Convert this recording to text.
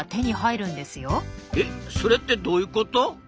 えそれってどういうこと？